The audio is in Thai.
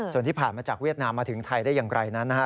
ส่วนที่ผ่านมาจากเวียดนามมาถึงไทยได้อย่างไรนั้นนะฮะ